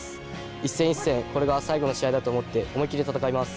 一戦一戦これが最後の試合だと思って思い切り戦います。